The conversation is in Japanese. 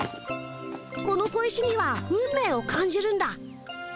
この小石には運命を感じるんだ。